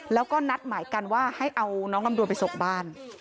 แล้วก็นัดหมายกันว่าให้เอาน้องลำดวนไปส่งบ้าน